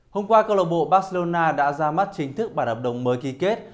hôm qua cơ lộ bộ barcelona đã ra mắt chính thức bản hợp đồng mới ký kết